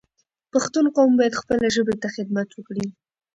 پښتون قوم باید خپله ژبه ته خدمت وکړی